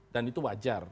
dan itu wajar